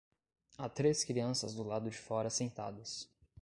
Há três crianças do lado de fora sentadas.